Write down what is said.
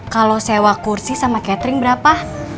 kalau sewa kursi sama catering berapa